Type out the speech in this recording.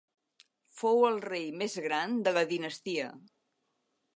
Fou el rei més gran de la dinastia.